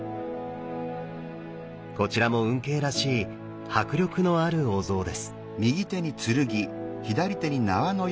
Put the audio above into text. こちらも運慶らしい迫力のあるお像です。